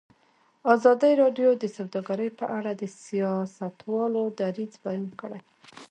ازادي راډیو د سوداګري په اړه د سیاستوالو دریځ بیان کړی.